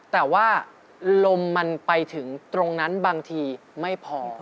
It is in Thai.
แต่ว่าลมมันไปถึงตรงนั้นบางทีไม่พอ